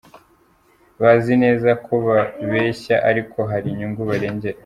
Bazi neza ko babeshya ariko hari inyungu barengera.